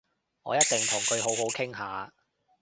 我一定會同佢好好傾下